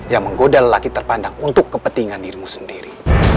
yang menggoda lelaki terpandang untuk kepentingan dirimu sendiri